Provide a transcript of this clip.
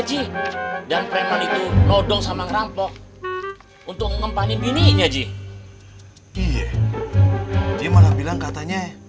ji dan kreman itu nodong sama ngerampok untuk ngempanin bininya ji iye dia malah bilang katanya